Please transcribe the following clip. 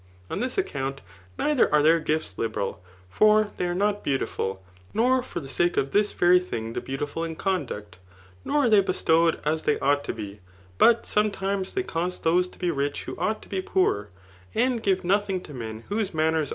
Qa this account, neither are their . gifts liberal ; for they are not beaudful, nor for the sake of this very thing the fafcautiful in conduct^ nor are they bestowed as they ought to be; but sometimes they cause, those to be rich who ought to be poor, and give nothing to n^n whose man* ner».